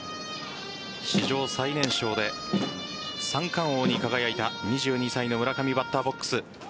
史上最年少で三冠王に輝いた２２歳の村上、バッターボックス。